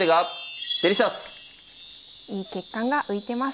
いい血管が浮いてます。